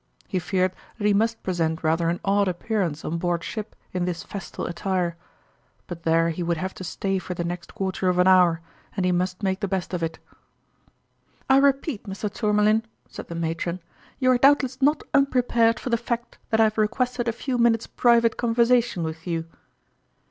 He feared that he must present rather an odd appearance on board ship in this festal attire; but there he would have to stay for the next quarter of an hour, and he must make the best of it. " I repeat, Mr. Tourmalin," said the matron, "you are doubtless not unprepared for the fact that I have requested a few minutes' private conversation with you